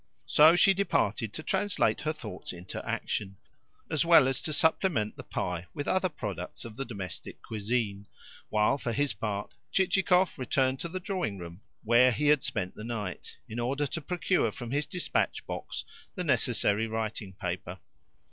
So she departed to translate her thoughts into action, as well as to supplement the pie with other products of the domestic cuisine; while, for his part, Chichikov returned to the drawing room where he had spent the night, in order to procure from his dispatch box the necessary writing paper.